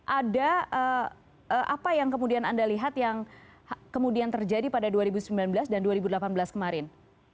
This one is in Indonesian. ada apa yang kemudian anda lihat yang kemudian terjadi pada dua ribu sembilan belas dan dua ribu delapan belas kemarin